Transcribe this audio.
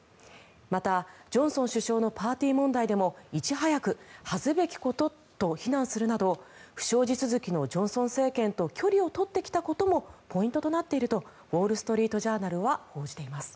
また、ジョンソン首相のパーティー問題でもいち早く恥ずべきことと非難するなど不祥事続きのジョンソン政権と距離を取ってきたこともポイントとなっているとウォール・ストリート・ジャーナルは報じています。